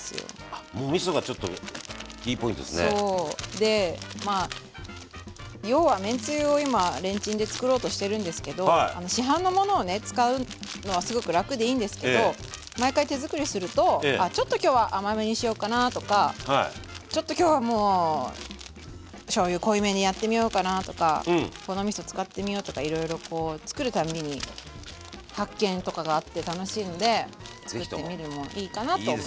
でまあ要はめんつゆを今レンチンでつくろうとしてるんですけど市販のものをね使うのはねすごく楽でいいんですけど毎回手づくりするとあちょっと今日は甘めにしようかなとかちょっと今日はもうしょうゆ濃いめにやってみようかなとかこのみそ使ってみようとかいろいろつくる度に発見とかがあって楽しいのでつくってみるのもいいかなと思って。